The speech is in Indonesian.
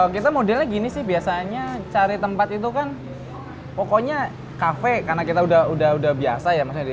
kita modelnya gini sih biasanya cari tempat itu kan pokoknya kafe karena kita udah biasa ya mas heri